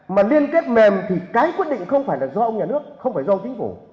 mà liên kết mềm thì cái quyết định không phải là do ông nhà nước không phải do chính phủ